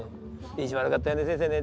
「意地悪かったよね先生ね」